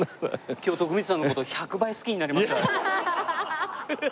今日徳光さんの事１００倍好きになりました。